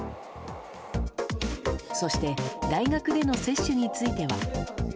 そして大学での接種については。